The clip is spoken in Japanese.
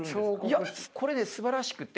いやこれねすばらしくて。